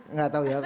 enggak tahu ya